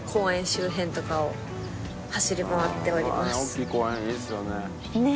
「おっきい公園いいですよね」